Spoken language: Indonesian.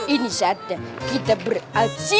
ini saatnya kita beraksi